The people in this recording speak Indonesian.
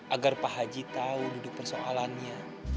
agar pak haji tahu duduk persoalannya